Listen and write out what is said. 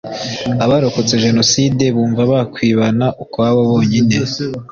Abarokotse jenoside bumva bakwibana ukwabo bonyine